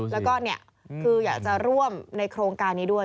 แล้วก็คืออยากจะร่วมในโครงการนี้ด้วย